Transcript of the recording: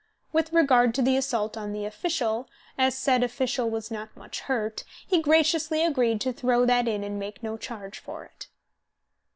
With regard to the assault on the official, as said official was not much hurt, he graciously agreed to throw that in and make no charge for it.